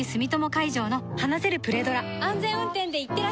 安全運転でいってらっしゃい